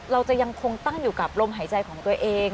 ยังคงตั้งอยู่กับลมหายใจของตัวเอง